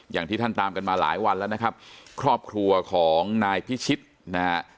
อย่างที่ท่านตามกันมาหลายวันแล้วนะครับครอบครัวของนายพิชิตนะฮะ